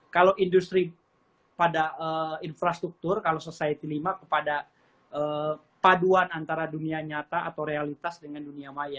kalau industri pada infrastruktur kalau society lima kepada paduan antara dunia nyata atau realitas dengan dunia maya